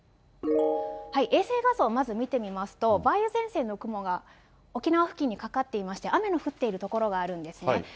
衛星画像をまず見てみますと、梅雨前線の雲が沖縄付近にかかっていまして、雨の降っている所があるんですね。